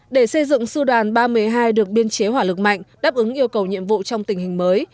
để xây dựng sư đoàn ba trăm một mươi hai được biên chế hỏa lực mạnh đáp ứng yêu cầu nhiệm vụ trong tình hình mới